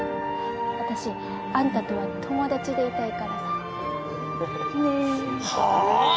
私あんたとは友達でいたいからさねえはあ？